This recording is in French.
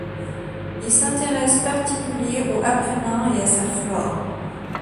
Il s’intéresse particulier aux Apennins et à sa flore.